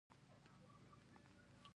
هو بهو د بدر او اُحد د وخت تصویر یې.